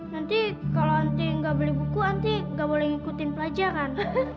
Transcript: nanti kalau nanti gak beli buku nanti gak boleh ngikutin pelajaran